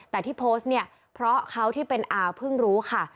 แต่ที่โพสต์เนี่ยเพราะเขาที่เป็นอาวเพิ่งรู้ค่ะ